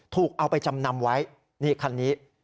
ถูกเอาไปจำนำไว้นี่คันนี้